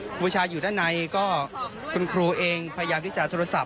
ครูประชาอยู่ด้านในก็คุณครูเองพยายามที่จะโทรศัพท์